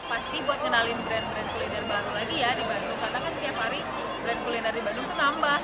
pasti buat ngenalin brand brand kuliner baru lagi ya di bandung karena kan setiap hari brand kuliner di bandung itu tambah